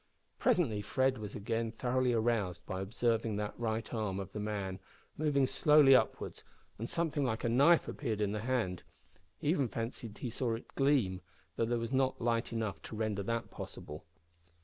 Presently Fred was again thoroughly aroused by observing that the right arm of the man moved slowly upwards, and something like a knife appeared in the hand; he even fancied he saw it gleam, though there was not light enough to render that possible.